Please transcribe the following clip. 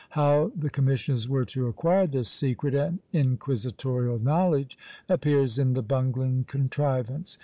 How the commissioners were to acquire this secret and inquisitorial knowledge appears in the bungling contrivance.